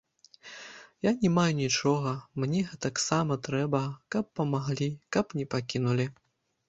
Я не маю нічога, мне гэтаксама трэба, каб памаглі, каб не пакінулі.